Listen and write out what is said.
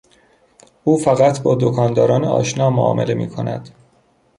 او فقط با دکانداران آشنا معامله میکند.